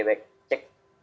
oke baik cek